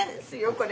これ。